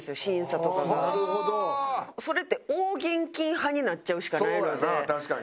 それって大現金派になっちゃうしかないので。